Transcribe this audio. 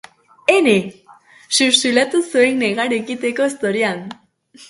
Ene!, xuxurlatu zuen, negar egiteko zorian.